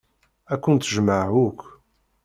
Ad kent-jjmeɣ akk.